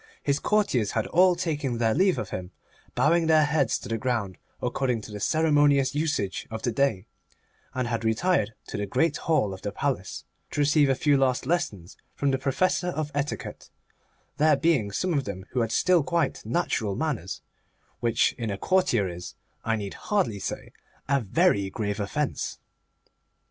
His courtiers had all taken their leave of him, bowing their heads to the ground, according to the ceremonious usage of the day, and had retired to the Great Hall of the Palace, to receive a few last lessons from the Professor of Etiquette; there being some of them who had still quite natural manners, which in a courtier is, I need hardly say, a very grave offence.